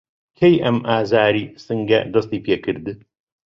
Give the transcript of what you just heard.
کەی ئەم ئازاری سنگه دەستی پیکرد؟